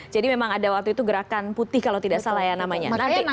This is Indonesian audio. memang ada waktu itu gerakan putih kalau tidak salah ya namanya